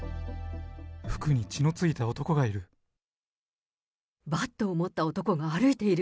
服に血のついた男がいる。